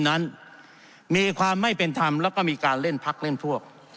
นั้นมีความไม่เป็นธรรมแล้วก็มีการเล่นพักเล่นพวก